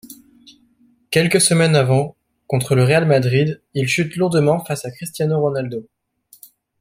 Quelques semaines avant contre le Real Madrid, il chute lourdement face à Cristiano Ronaldo.